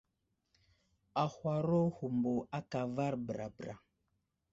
Ahwaro humbo aka avar bəra bəra.